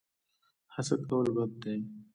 حسد کول بد دي